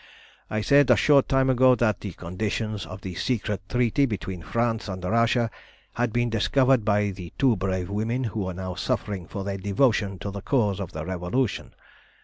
I said a short time ago that the conditions of the secret treaty between France and Russia had been discovered by the two brave women who are now suffering for their devotion to the cause of the Revolution.